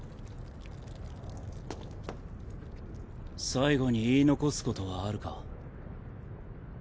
最期に言い残すことはあるか？